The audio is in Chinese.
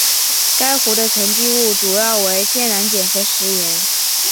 该湖的沉积物主要为天然碱和石盐。